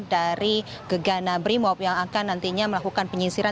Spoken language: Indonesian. dari gegana brimob yang akan nantinya melakukan penyisiran